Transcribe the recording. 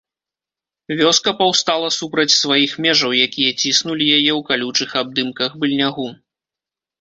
Вёска паўстала супраць сваіх межаў, якія ціснулі яе ў калючых абдымках быльнягу.